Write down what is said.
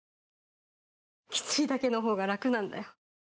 きついだけのほうが楽なんだよ。